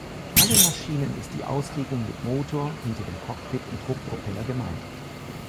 Allen Maschinen ist die Auslegung mit Motor hinter dem Cockpit und Druckpropeller gemein.